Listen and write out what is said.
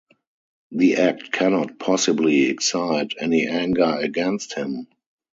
The act cannot possibly excite any anger against him.